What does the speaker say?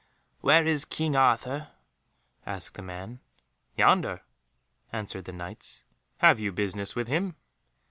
"Where is King Arthur?" asked the man. "Yonder," answered the Knights. "Have you business with him?"